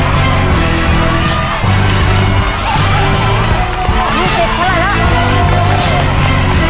พิมพ์พิมพ์พิมพ์มาช่วยหน่อยก็ได้นะ